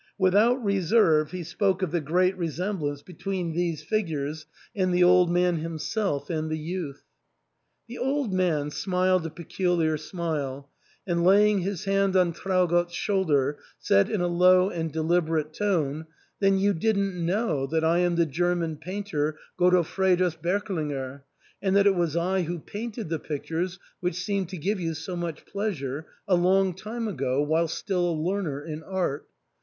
Without reserve he spoke of the great resemblance between these figures and the old man himself and the youth. The old man smiled a peculiar smile, and laying his hand on Traugott's shoulder, said in a low and de liberate tone, "Then you didn't know that I am the German painter Godofredus Berklinger, and that it was I who painted the pictures which seem to give you so much pleasure, a long time ago, whilst still a learner in art.